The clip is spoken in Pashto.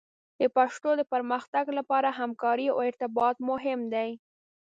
د پښتو د پرمختګ لپاره همکارۍ او ارتباط مهم دي.